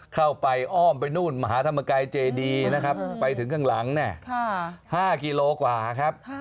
เข้าไปอ้อมไปนู่นมหาธรรมกายเจดีนะครับไปถึงข้างหลัง๕กิโลกว่าครับ